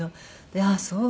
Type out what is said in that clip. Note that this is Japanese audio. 「ああそう。